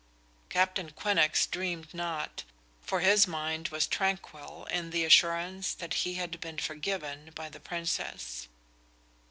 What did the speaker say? Captain Quinnox dreamed not, for his mind was tranquil in the assurance that he had been forgiven by the Princess.